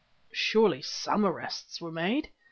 "Surely some arrests were made?"